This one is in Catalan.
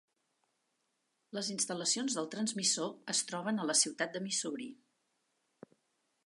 Les instal·lacions del transmissor es troben a la ciutat de Missouri.